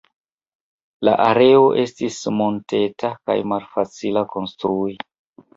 La areo estis monteta kaj malfacila konstrui.